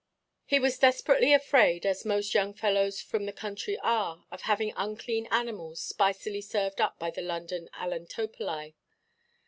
He was desperately afraid, as most young fellows from the country are, of having unclean animals spicily served up by the London allantopolæ.